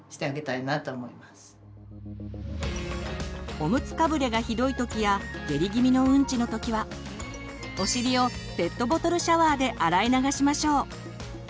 おむつかぶれがひどい時や下痢気味のうんちの時はお尻をペットボトルシャワーで洗い流しましょう。